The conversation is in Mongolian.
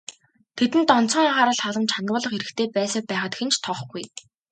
Тэдэнд онцгой анхаарал халамж хандуулах хэрэгтэй байсаар байхад хэн ч тоохгүй.